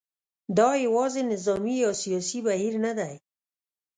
دا یوازې نظامي یا سیاسي بهیر نه دی.